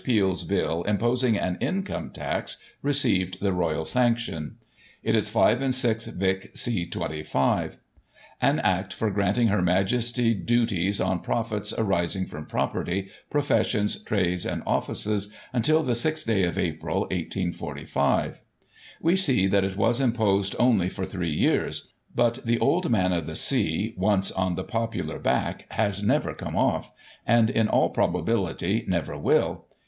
Peel's Bill, imposing an Income Tax, received the Royal sanction. It is 5 and 6 Vic, c. 35 : "An Act for granting Her Majesty Duties on Profits arising from Property, Professions, Trades, and Offices, until the 6th day of April, 1845." We see that it was imposed only for three years, but the Old Man of the Sea, once on the popular back, has never come off; and, in all probability, never will.